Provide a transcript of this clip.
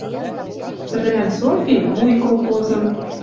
Тӹдӹлӓн Софи — вуй колхозын —